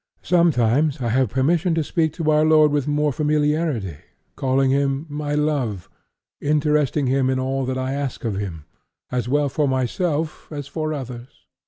Sometimes I have permission to speak to our Lord with more familiarity, calling Him my Love, interesting Him in all that I ask of Him, as well for myself as for others."